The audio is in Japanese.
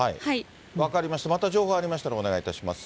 分かりました、また情報入りましたらお願いいたします。